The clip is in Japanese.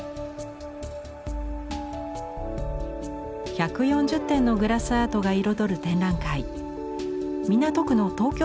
１４０点のグラスアートが彩る展覧会。